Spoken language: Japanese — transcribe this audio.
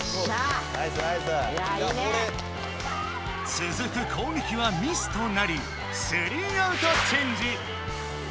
つづく攻撃はミスとなり３アウトチェンジ！